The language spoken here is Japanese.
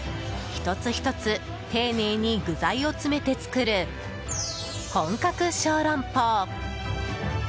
１つ１つ丁寧に具材を詰めて作る本格小龍包。